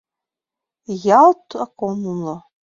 Ялт ок умыло.